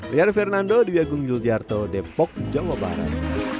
liar fernando di agung yuljarto depok jawa barat